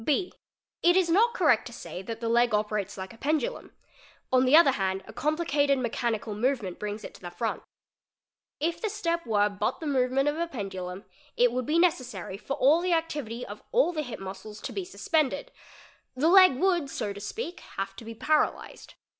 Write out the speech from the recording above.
(0) It is not correct to say that the leg operates like a pendulum; on the other hand a complicated mechanical movement brings it to the — front. If the step were but the movement of a pendulum it would be — necessary for all the activity of all the hip muscles to be suspended, the leg would so to speak have to be "paralysed''.